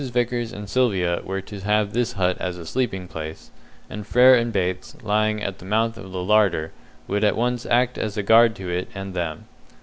Vickers and Sylvia were to have this hut as a sleeping place, and Frere and Bates, lying at the mouth of the larder, would at once act as a guard to it and them.